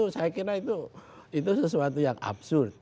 saya kira itu sesuatu yang absurd